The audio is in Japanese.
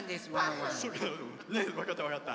わかったわかった。